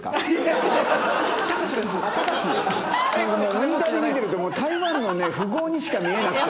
モニターで見てると台湾のね富豪にしか見えなくて。